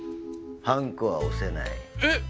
ハンコは押せないえっ？